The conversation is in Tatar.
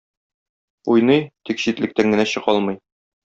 Уйный, тик читлектән генә чыга алмый.